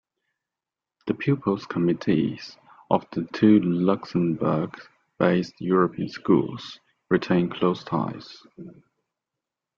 The Pupils' Committees of the two Luxembourg based European Schools retain close ties.